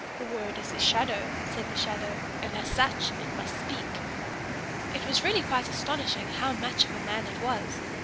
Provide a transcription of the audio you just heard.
"A word is a shadow," said the shadow, "and as such it must speak." It was really quite astonishing how much of a man it was.